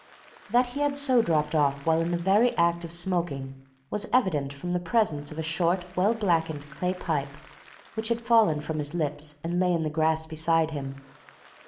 That he had so dropped off while in the very act of smoking was evident from the presence of a short, well blackened clay pipe which had fallen from his lips and lay in the grass beside him.